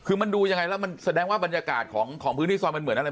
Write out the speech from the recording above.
คือมันดูยังไงแล้วมันแสดงว่าบรรยากาศของพื้นที่ซอยมันเหมือนอะไร